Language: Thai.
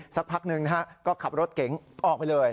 สักพักหนึ่งนะฮะก็ขับรถเก๋งออกไปเลย